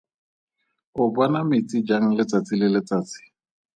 O bona metsi jang letsatsi le letsatsi?